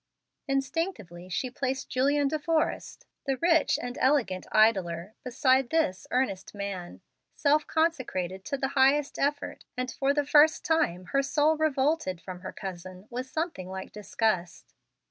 Instinctively she placed Julian De Forrest, the rich and elegant idler, beside this earnest man, self consecrated to the highest effort, and for the first time her soul revolted from her cousin with something like disgust.